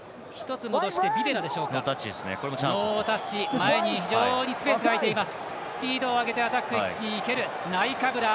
前に非常にスペースが空いています。